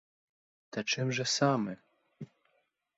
Та чим же саме?!